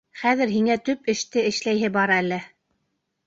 Хәҙер һиңә төп эште эшләйһе бар әле.